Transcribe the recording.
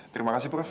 terima kasih prof